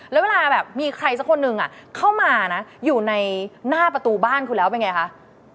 แล้วเวลาแบบมีใครสักคนหนึ่งเข้ามานะอยู่ในหน้าประตูบ้านคุณแล้วเป็นไงคะ